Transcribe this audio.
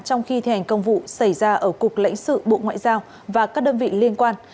trong khi thi hành công vụ xảy ra ở cục lãnh sự bộ ngoại giao và các đơn vị liên quan